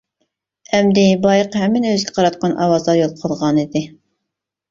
ئەمدى بايىقى ھەممىنى ئۆزىگە قاراتقان ئاۋازلار يوقالغانىدى.